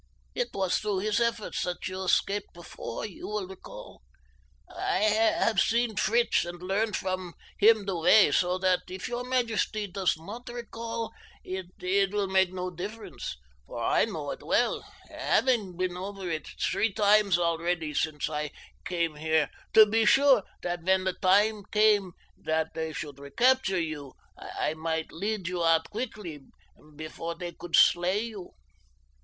"It was through his efforts that you escaped before, you will recall. I have seen Fritz and learned from him the way, so that if your majesty does not recall it it will make no difference, for I know it well, having been over it three times already since I came here, to be sure that when the time came that they should recapture you I might lead you out quickly before they could slay you."